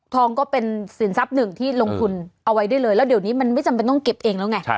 ก็เป็นสินทรัพย์หนึ่งที่ลงทุนเอาไว้ได้เลยแล้วเดี๋ยวนี้มันไม่จำเป็นต้องเก็บเองแล้วไง